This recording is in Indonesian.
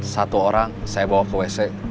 satu orang saya bawa ke wc